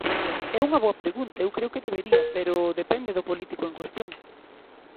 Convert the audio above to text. É unha boa pregunta, eu creo que debería, pero depende do político en cuestión.